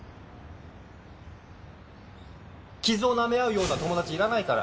傷を舐めあうような友達いらないから。